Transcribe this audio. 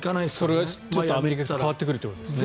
それがアメリカに行ったら変わってくるということですね。